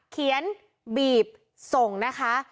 เขียนบีบส่งนะคะ